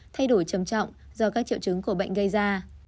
thay đổi trầm trọng do các triệu chứng của bệnh gây ra